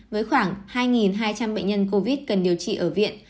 với khoảng hai hai trăm linh bệnh nhân covid cần điều trị ở viện